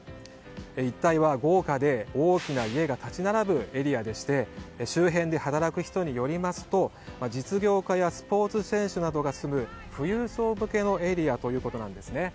一帯は豪華で大きな家が立ち並ぶエリアでして周辺で働く人によりますと実業家やスポーツ選手などが住む富裕層向けのエリアということなんです。